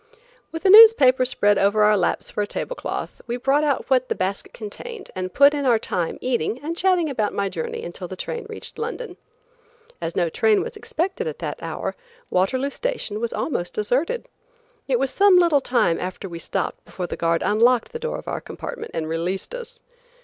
With a newspaper spread over our laps for a table cloth, we brought out what the basket contained and put in our time eating and chatting about my journey until the train reached London. As no train was expected at that hour, Waterloo Station was almost deserted. It was some little time after we stopped before the guard unlocked the door of our compartment and released us.